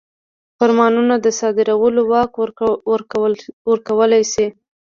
فرمانونو د صادرولو واک ورکړل شي.